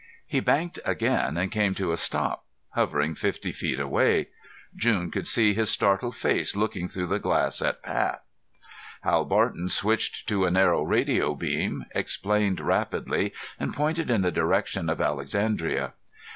He banked again and came to a stop, hovering fifty feet away. June could see his startled face looking through the glass at Pat. Hal Barton switched to a narrow radio beam, explained rapidly and pointed in the direction of Alexandria.